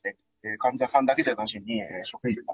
患者さんだけじゃなしに、職員も。